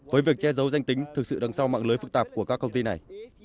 với việc che giấu danh tính thực sự đằng sau mạng lưới phức tạp của các công ty này